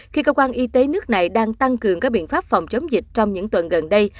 khi cơ quan y tế nước này đang tăng cường các biện pháp phòng chống dịch trong những tuần gần đây